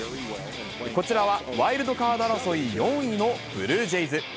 こちらは、ワイルドカード争い４位のブルージェイズ。